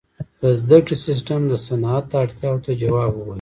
• د زدهکړې سیستم د صنعت اړتیاو ته ځواب وویل.